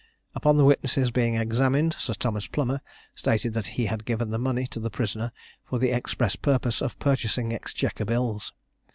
Upon the witnesses being examined, Sir Thomas Plomer stated that he had given the money to the prisoner for the express purpose of purchasing exchequer bills.